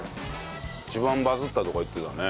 一番バズったとか言ってたね。